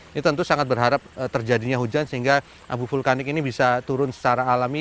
ini tentu sangat berharap terjadinya hujan sehingga abu vulkanik ini bisa turun secara alami